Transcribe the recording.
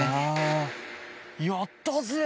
やったぜ！